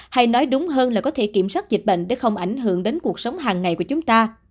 hay nói đúng hơn là có thể kiểm soát dịch bệnh để không ảnh hưởng đến cuộc sống hàng ngày của chúng ta